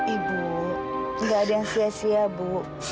ibu nggak ada yang sia sia bu